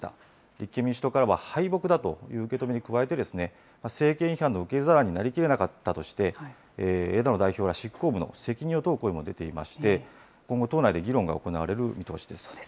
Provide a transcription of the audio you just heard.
立憲民主党からは敗北だという受け止めに加えてですね、政権批判の受け皿になりきれなかったとして、枝野代表ら執行部の責任を問う声も出ていまして、今後党内で議論が行われる見通しです。